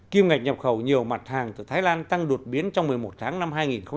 kim ngạch nhập khẩu nhiều mặt hàng từ thái lan tăng đột biến trong một mươi một tháng năm hai nghìn hai mươi